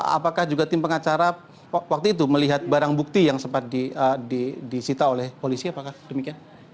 apakah juga tim pengacara waktu itu melihat barang bukti yang sempat disita oleh polisi apakah demikian